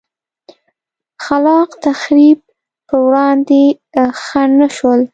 خلا ق تخریب پر وړاندې خنډ نه شول.